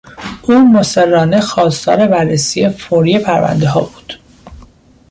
او مصرانه خواستار بررسی فوری پروندهها بود.